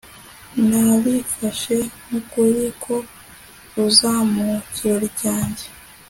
Nabifashe nkukuri ko uza mu kirori cyanjye